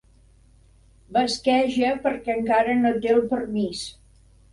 Basqueja perquè encara no té el permís.